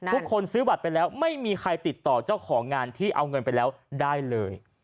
ซื้อบัตรไปแล้วไม่มีใครติดต่อเจ้าของงานที่เอาเงินไปแล้วได้เลย